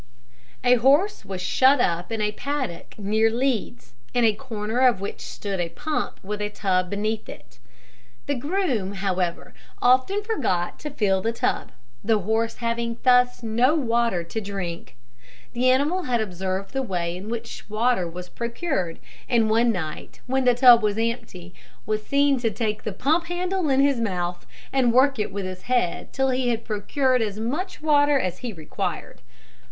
A horse was shut up in a paddock near Leeds, in a corner of which stood a pump with a tub beneath it. The groom, however, often forgot to fill the tub, the horse having thus no water to drink. The animal had observed the way in which water was procured, and one night, when the tub was empty, was seen to take the pump handle in his mouth, and work it with his head till he had procured as much water as he required.